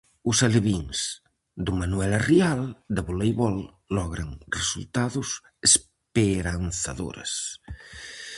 Os alevíns do Manuela Rial de voleibol logran resultados esperanzadores.